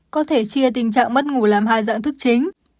có thể chia tình trạng mất ngủ làm hai dạng thức chính